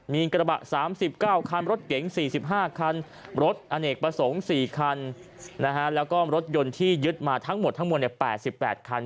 มีกระบะ๓๙คันรถเก๋ง๔๕คันรถอเนกประสงค์๔คันแล้วก็รถยนต์ที่ยึดมาทั้งหมดทั้งหมด๘๘คัน